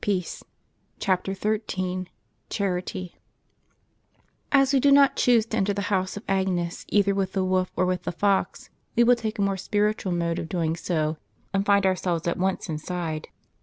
= S we do not choose to enter the house of Agnes, either with the wolf or with the fox, we will take a more spiritual mode of doing so, and find ourselves at once inside.